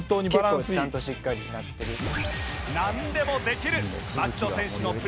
なんでもできる町野選手のプレーに期待です！